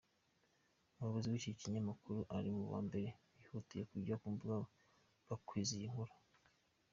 Umuyobozi w’iki kinyamakuru ari mubambere bihutiye kujya kumbuga bakwiza iyi nkuru.